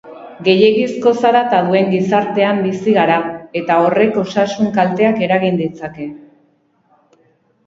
Gehiegizko zarata duen gizartean bizi gara eta horrek osasun kalteak eragin ditzake.